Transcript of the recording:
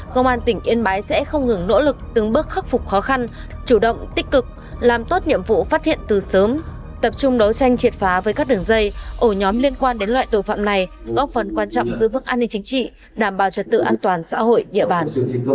công an tỉnh yên bái sẽ không ngừng nỗ lực từng bước khắc phục khó khăn chủ động tích cực làm tốt nhiệm vụ phát hiện từ sớm tập trung đấu tranh triệt phá với các đường dây ổ nhóm liên quan đến loại tội phạm này góp phần quan trọng giữ phức an ninh chính trị đảm bảo trật tự an toàn xã hội địa bàn